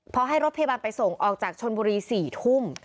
พอให้รถพยาบาลไปส่งออกจากชนบุรี๔ทุ่ม